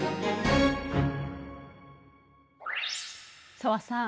紗和さん。